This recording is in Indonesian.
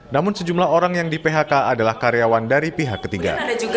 namun sejumlah orang yang di phk adalah karyawan dari pihak ketiga